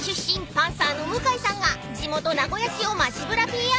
パンサーの向井さんが地元名古屋市を街ぶらＰＲ］